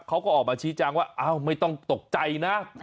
เขาก็ออกมาชี้แจงว่าไม่ต้องตกใจนะ